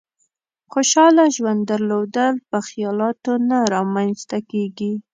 خوشحاله ژوند درلودل په خيالاتو نه رامېنځ ته کېږي.